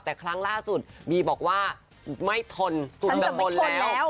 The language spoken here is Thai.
แต่ครั้งล่าสุดบีบอกว่าไม่ทนสุดแบบบนแล้ว